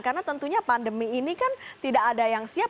karena tentunya pandemi ini kan tidak ada yang siap